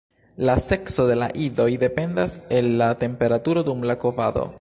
La sekso de la idoj dependas el la temperaturo dum la kovado.